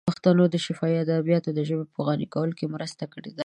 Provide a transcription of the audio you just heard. د پښتنو شفاهي ادبیاتو د ژبې په غني کولو کې مرسته کړې ده.